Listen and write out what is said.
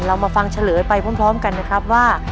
มาฟังเฉลยไปพร้อมกันนะครับว่า